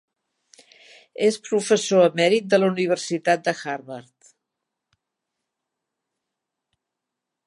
És professor emèrit de la Universitat de Harvard.